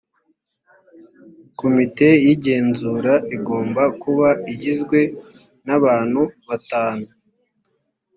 komite y’igenzura igomba kuba igizwe n abantu batanu